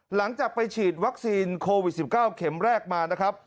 หลังจากไปฉีดวัคซีนโควิด๑๙เข็มแรกมานะครับ